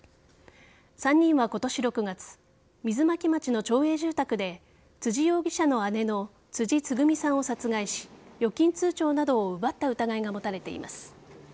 ３人は今年６月水巻町の町営住宅で辻容疑者の姉の辻つぐみさんを殺害し預金通帳などを奪った疑いが持たれています。